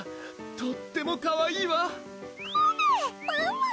とってもかわいいわコメ！